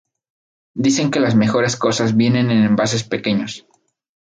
Dicen que las mejores cosas vienen en envases pequeños.